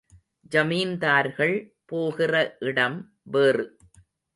ஜமீன்தார்கள் போகிற இடம் வேறு.